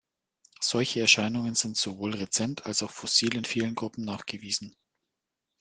Solche Erscheinungen sind sowohl rezent als auch fossil in vielen Gruppen nachgewiesen.